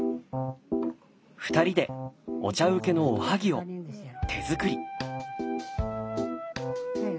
２人でお茶うけのおはぎを手づくり。